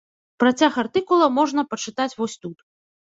Працяг артыкула можна прачытаць вось тут.